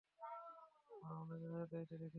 আমরা ওনাকে নজরদারিতে রেখেছি।